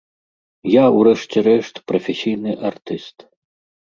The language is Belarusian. Я, у рэшце рэшт, прафесійны артыст.